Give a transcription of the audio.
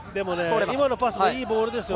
今のパスもいいボールですよ。